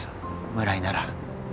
村井なら